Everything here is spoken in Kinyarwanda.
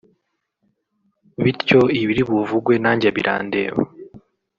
bityo ibiri buvugwe nanjye birandeba